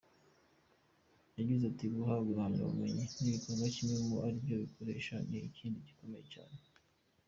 Yagize ati “Guhabwa impamyabumenyi n’igikorwa kimwe ariko kuyikoresha ni ikindi gikomeye cyane.